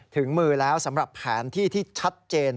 ถึงมือแล้วสำหรับแผนที่ที่ชัดเจน